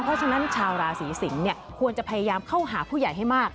เพราะฉะนั้นชาวราศีสิงศ์ควรจะพยายามเข้าหาผู้ใหญ่ให้มาก